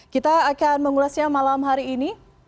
kita akan mengulasnya malam hari ini